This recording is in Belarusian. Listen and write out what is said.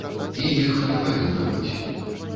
І іх не павінна быць.